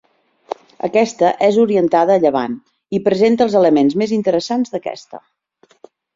Aquesta és orientada a llevant i presenta els elements més interessants d'aquesta.